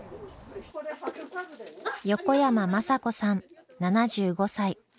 横山眞佐子さん７５歳。